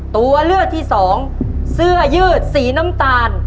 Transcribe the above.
ตัวเลือกที่สองเสื้อยืดสีน้ำตาล